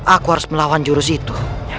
aku harus melawan jurus itu